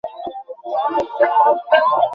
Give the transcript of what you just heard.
কী বললো মেয়েটা?